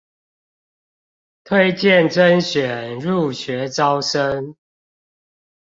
推薦甄選入學招生